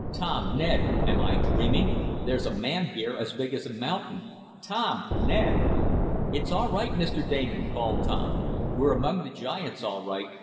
"Tom Ned am I dreaming? There's a man here as big as a mountain. Tom! Ned!" "It's all right, Mr. Damon!" called Tom. "We're among the giants all right.